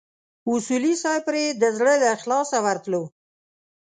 اصولي صیب پرې د زړه له اخلاصه ورتلو.